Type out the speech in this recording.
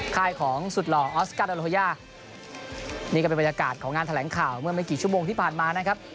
ค่ายของสุดหล่อออสการ์ดาโลโฮย่านี่ก็เป็นบรรยากาศของงานแถลงข่าวเมื่อไม่กี่ชั่วโมงที่ผ่านมานะครับ